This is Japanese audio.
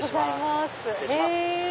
失礼します。